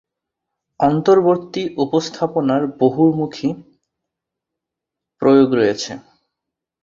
অন্তর্বর্তী উপস্থাপনার বহুমুখী প্রয়োগ রয়েছে।